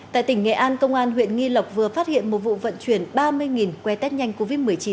tại tỉnh nghệ an công an huyện nghi lộc vừa phát hiện một vụ vận chuyển ba mươi que test nhanh covid một mươi chín